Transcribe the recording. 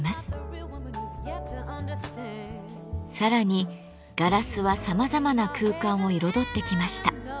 さらにガラスはさまざまな空間を彩ってきました。